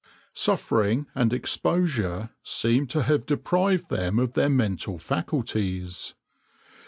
Suffering and exposure seemed to have deprived them of their mental faculties.